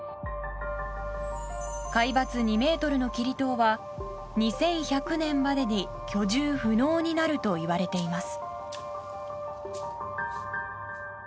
海抜２ｍのキリ島は２１００年までに居住不能になるといわれています。